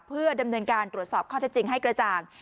เพื่อดำเนินการตรวจสอบข้อเท็จจริงให้กระจ่าง